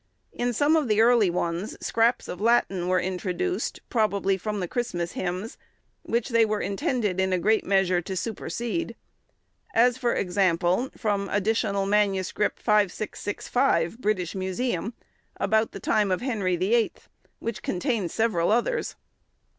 In some of the early ones, scraps of Latin were introduced, probably from the Christmas hymns, which they were intended in a great measure to supersede; as, for example, from additional MS., 5665, British Museum, about the time of Henry the Eighth, which contains several others.